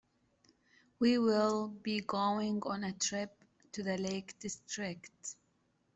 We will be going on a trip to the lake district.